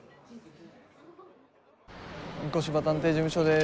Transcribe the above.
御子柴探偵事務所です。